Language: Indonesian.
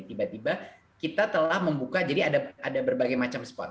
tiba tiba kita telah membuka jadi ada berbagai macam spot